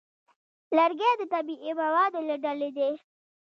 لرګی د طبیعي موادو له ډلې دی.